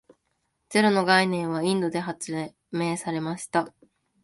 ゼロの概念はインドで発明されました。